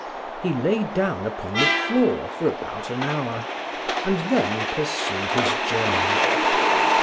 He lay down upon the floor for about an hour, and then pursued his journey.